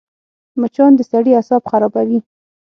مچان د سړي اعصاب خرابوي